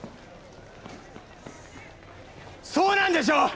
そうなんでしょ！